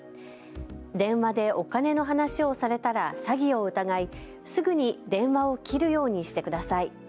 電話でお金の話をされたら詐欺を疑い、すぐに電話を切るようにしてください。